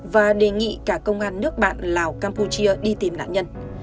và đề nghị cả công an nước bạn lào campuchia đi tìm nạn nhân